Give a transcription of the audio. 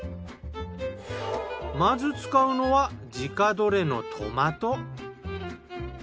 まず使うのは自家採れのトマト。